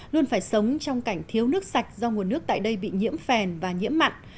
luôn phải sống trong cảnh thiếu nước sạch do nguồn nước tại đây bị nhiễm phèn và nhiễm mặn